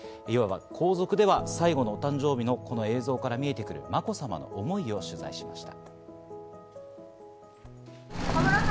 皇族では最後のお誕生日の映像から見えてくる、まこさまの思いを取材しました。